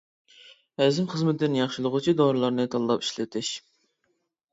ھەزىم خىزمىتىنى ياخشىلىغۇچى دورىلارنى تاللاپ ئىشلىتىش.